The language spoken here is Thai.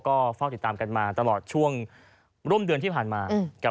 ก็เฝ้าติดตามกันมาตลอดช่วงร่วมเดือนที่ผ่านมากับ